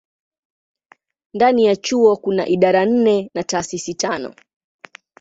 Ndani ya chuo kuna idara nne na taasisi tano.